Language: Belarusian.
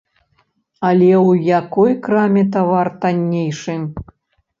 Але ў якой краме тавар таннейшы?